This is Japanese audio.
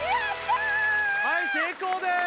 はい成功です